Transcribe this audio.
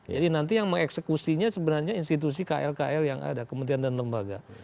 jadi nanti yang mengeksekusinya sebenarnya institusi kl kl yang ada kementerian dan lembaga